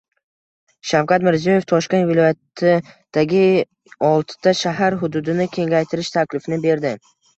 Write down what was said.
Shavkat Mirziyoyev Toshkent viloyatidagioltita shahar hududini kengaytirish taklifini berdi